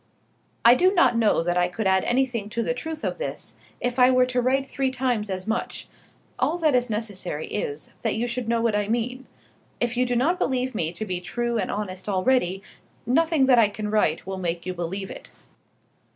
I do not know that I could add anything to the truth of this, if I were to write three times as much. All that is necessary is, that you should know what I mean. If you do not believe me to be true and honest already, nothing that I can write will make you believe it.